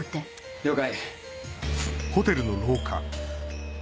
了解。